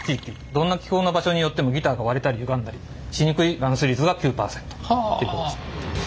どんな気候の場所によってもギターが割れたりゆがんだりしにくい含水率が９％っていうことですね。